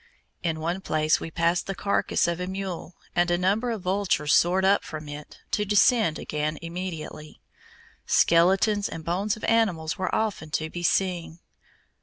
In one place we passed the carcass of a mule, and a number of vultures soared up from it, to descend again immediately. Skeletons and bones of animals were often to be seen.